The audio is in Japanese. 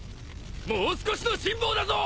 もう少しの辛抱だぞ！